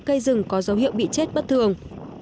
cây rừng có dấu hiệu bị chết bất thường